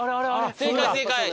正解正解！